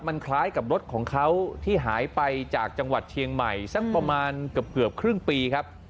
มันคล้ายกับรถของเขาที่หายไปจากจังหวัดเชียงใหม่สักประมาณเกือบครึ่งปีครับ